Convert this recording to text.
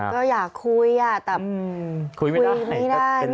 บ๊วยม่ามาก็อยากคุย